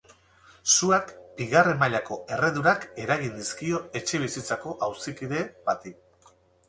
Suak bigarren mailako erredurak eragin dizkio etxebizitzako auzokide bati.